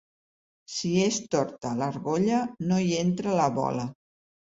Si és torta l'argolla, no hi entra la bola.